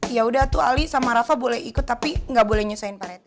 ya udah tuh ali sama rafa boleh ikut tapi gak boleh nyusahin paret